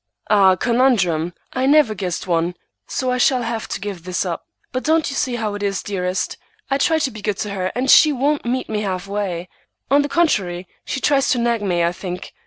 "A conundrum! I never guessed one, so I shall have to give this up. But don't you see how it is, dearest? I try to be good to her, and she won't meet me half way. On the contrary, she tries to nag me, I think.